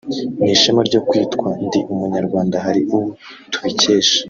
n'ishema ryo kwitwa Ndi Umunyarwanda hari uwo tubikesha